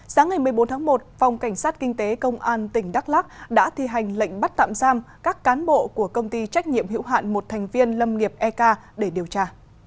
sáng ngày một mươi bốn tháng một phòng cảnh sát kinh tế công an tỉnh đắk lắc đã thi hành lệnh bắt tạm giam các cán bộ của công ty trách nhiệm hữu hạn một thành viên lâm nghiệp ek để điều tra